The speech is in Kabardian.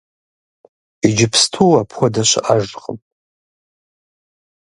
Иджыпсту апхуэдэ щыӀэжкъым.